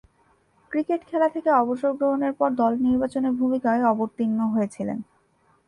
Cricket খেলা থেকে অবসর গ্রহণের পর দল নির্বাচকের ভূমিকায় অবতীর্ণ হয়েছিলেন।